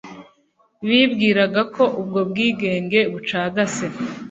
bibwiraga ko ubwo bwigenge bucagase